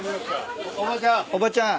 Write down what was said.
おばちゃん。